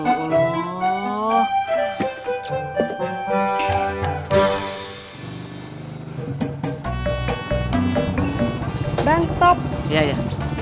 lupa lupa lupa